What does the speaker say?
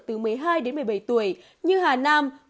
từ một mươi hai đến một mươi bảy tuổi như hà nam